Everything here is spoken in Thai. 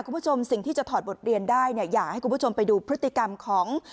คุณผู้ชมสิ่งที่จะถอดบทเรียนได้เนี่ยอยากให้คุณผู้ชมไปดูพฤติกรรมของ